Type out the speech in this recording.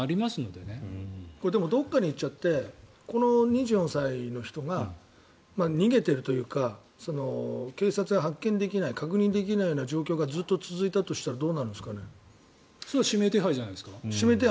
でもどこかに行っちゃってこの２４歳の人が逃げているというか警察が発見できない確認できないような状況がずっと続いたりしたら指名手配じゃないですか？